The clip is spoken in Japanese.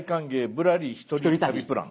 ぶらり１人旅プラン」。